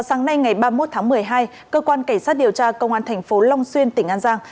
sáng nay ngày ba mươi một tháng một mươi hai cơ quan cảnh sát điều tra công an thành phố long xuyên tỉnh an giang